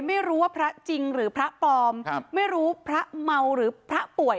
ไม่รู้ว่าพระจริงหรือพระปลอมครับไม่รู้พระเมาหรือพระป่วย